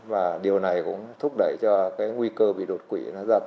và điều này cũng thúc đẩy cho nguy cơ bị độc quỷ gia tăng vào mùa lạnh